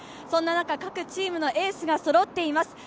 そんな中、各チームのエースがそろっています。